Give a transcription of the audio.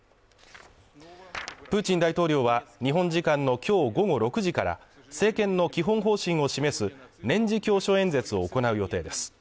プーチン大統領は日本時間の今日午後６時から政権の基本方針を示す年次教書演説を行う予定です。